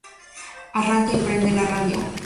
Arranca y prende la radio.